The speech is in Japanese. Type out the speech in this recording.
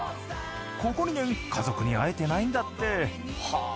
ここ２年家族に会えてないんだって。